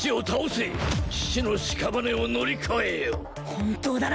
本当だな？